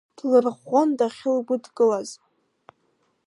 Длырӷәӷәон дахьылгәыдкылаз.